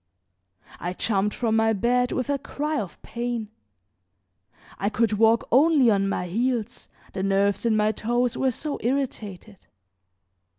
I jumped from my bed with a cry of pain; I could walk only on my heels, the nerves in my toes were so irritated.